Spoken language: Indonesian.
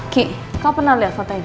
ki kau pernah lihat foto ini